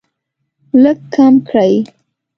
لږ کم کړئ